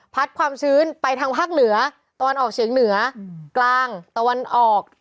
ความชื้นไปทางภาคเหนือตะวันออกเฉียงเหนือกลางตะวันออก